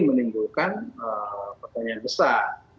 menimbulkan pertanyaan besar